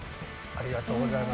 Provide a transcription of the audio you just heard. ありがとうございます。